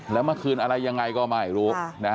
แล้วเมื่อคืนอะไรยังไงก็ไม่รู้